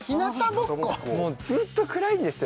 もうずーっと暗いんですよ